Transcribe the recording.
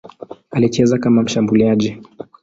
Alicheza kama mshambuliaji.